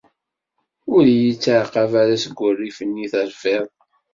Ur iyi-ttɛaqab ara seg wurrif-nni i terfiḍ!